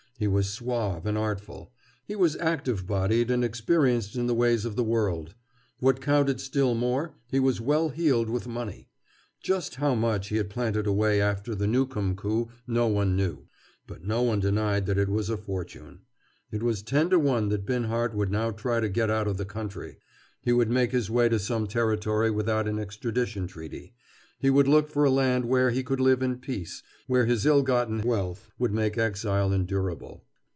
He was suave and artful; he was active bodied and experienced in the ways of the world. What counted still more, he was well heeled with money. Just how much he had planted away after the Newcomb coup no one knew. But no one denied that it was a fortune. It was ten to one that Binhart would now try to get out of the country. He would make his way to some territory without an extradition treaty. He would look for a land where he could live in peace, where his ill gotten wealth would make exile endurable.